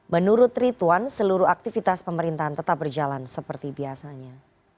menurut rituan seluruh aktivitas pemerintahan tetap berjalan seperti biasanya